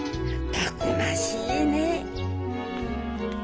たくましいね。